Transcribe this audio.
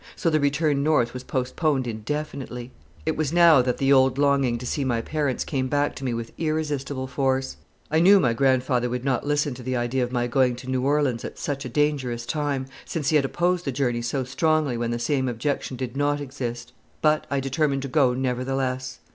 So the return North was postponed indefinitely. It was now that the old longing to see my parents came back to me with irresistible force. I knew my grandfather would not listen to the idea of my going to New Orleans at such a dangerous time, since he had opposed the journey so strongly when the same objection did not exist. But I determined to go nevertheless.